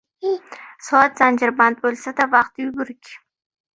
— Soat zanjirband bo‘lsa-da, vaqt yugurik.